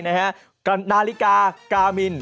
นาฬิกากามิน